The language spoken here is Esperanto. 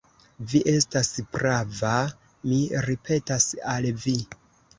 Vi estas prava, mi ripetas al vi.